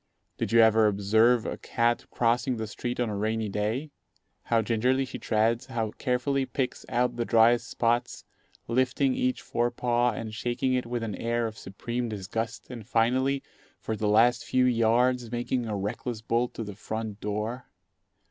Did you ever observe a cat crossing the street on a rainy day? How gingerly she treads, how carefully picks out the driest spots, lifting each fore paw and shaking it with an air of supreme disgust, and finally, for the last few yards, making a reckless bolt to the front door.